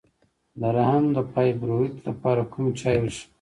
د رحم د فایبرویډ لپاره کوم چای وڅښم؟